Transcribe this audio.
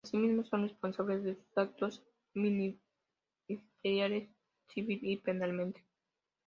Asimismo, son responsables de sus actos ministeriales, civil y penalmente.